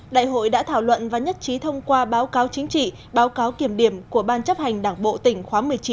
đại hội đã thảo luận và nhất trí thông qua báo cáo chính trị báo cáo kiểm điểm của ban chấp hành đảng bộ tỉnh khóa một mươi chín